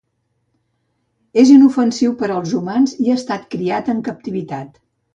És inofensiu per als humans i ha estat criat en captivitat.